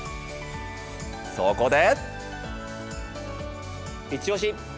そこで。